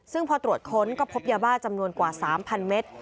ซึ่งพอตรวจค้นก็พบยาบ้าจำนวนกว่า๓๐๐เมตร